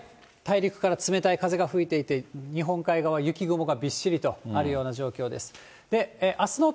大陸から冷たい風が吹いていて、日本海側、雪雲がびっしりとあるような状況です。